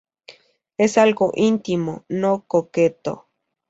Es algo íntimo, no coqueto"".